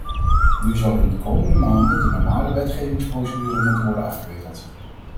Nu zal in de komende maanden de normale wetgevingsprocedure moeten worden afgewikkeld.